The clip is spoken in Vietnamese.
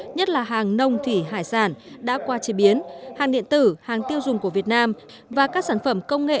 nhất là hàng nông thủy hải sản đã qua chế biến hàng điện tử hàng tiêu dùng của việt nam và các sản phẩm công nghệ